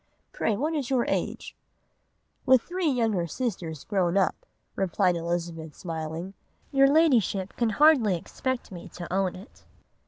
Pray what is your age?' "'With three younger sisters grown up,' replied Elizabeth, smiling, 'your Ladyship can hardly expect me to own it.